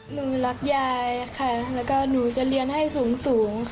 หนูรักยายค่ะแล้วก็หนูจะเรียนให้สูงค่ะ